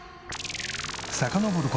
さかのぼる事